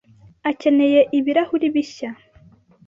akeneye ibirahuri bishya.